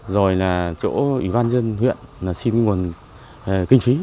rồi là chỗ ủy ban nhân huyện xin nguồn kinh phí